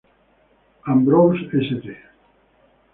Ambrose St.